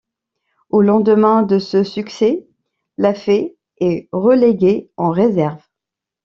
Au lendemain de ce succès, Laffey est relégué en réserve.